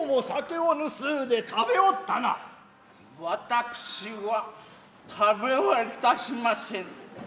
私は食べは致しませぬ。